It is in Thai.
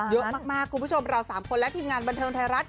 เยอะมากคุณผู้ชมเรา๓คนและทีมงานบรรเทิงไทยรัฐ